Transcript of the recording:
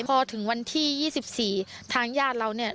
พอถึงวันที่๒๔ทางญาติเราเนี่ย